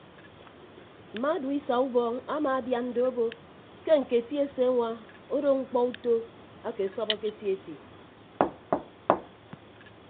Mma duisa ubọọñ amaadian do obo ke ñketi eseñwa odo ñkpọ uto ake ọsọbọke eti eti.